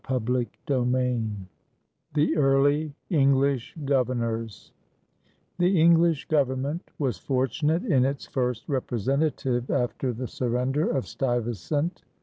CHAPTER VIII THE EARLY ENGLISH GOVERNORS The English Government was fortunate in its first representative after the surrender of Stuyvesant.